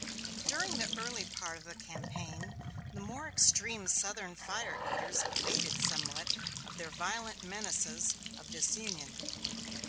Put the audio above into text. During the early part of the campaign the more extreme Southern fire eaters abated somewhat of their violent menaces of disunion.